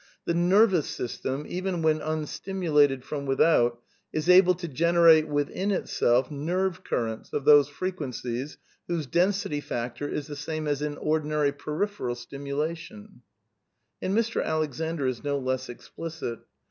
I " The nervous system, even when unstimulated from without, . is able to generate within itself nerve currents of those f re \y quencies whose density factor is the same as in ordinary peripheral stimulation.*' {JLbidL. p. 362.) And Mr. Alexander is no less explicit.